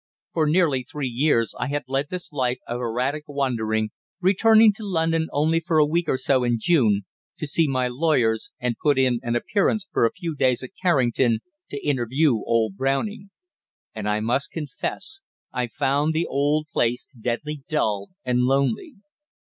For nearly three years I had led this life of erratic wandering, returning to London only for a week or so in June, to see my lawyers and put in an appearance for a few days at Carrington to interview old Browning. And I must confess I found the old place deadly dull and lonely.